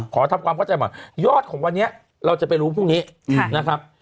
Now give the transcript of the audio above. ขอทำความเข้าใจหน่อยยอดของวันนี้เราจะไปรู้พรุ่งนี้นะครับ